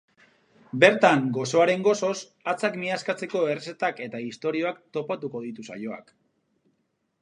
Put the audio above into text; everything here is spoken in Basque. Bertan, gozoaren gozoz hatzak miazkatzeko errezetak eta istorioak topatuko ditu saioak.